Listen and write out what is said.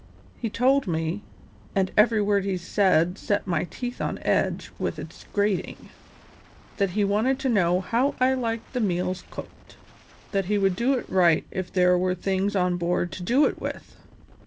He told me, and every word he said set my teeth on edge with its grating, that he wanted to know how I liked the meals cooked; that he would do it right if there were things on board to do it with.